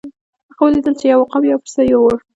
هغه ولیدل چې یو عقاب یو پسه یووړ.